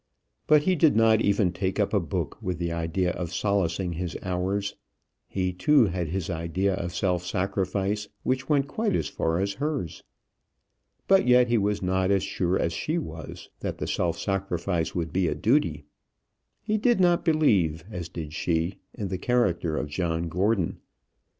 But he did not even take up a book with the idea of solacing his hours. He too had his idea of self sacrifice, which went quite as far as hers. But yet he was not as sure as was she that the self sacrifice would be a duty. He did not believe, as did she, in the character of John Gordon.